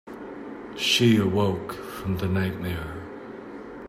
She awoke from the nightmare.